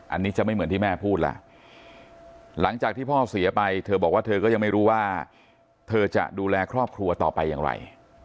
อันนี้จะไม่เหมือนที่แม่พูดล่ะหลังจากที่พ่อเสียไปเธอบอกว่าเธอก็ยังไม่รู้ว่าเธอจะดูแลครอบครัวต่อไปอย่างไร